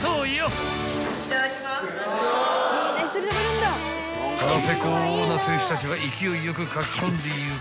［腹ペコな選手たちは勢いよくかき込んでいく］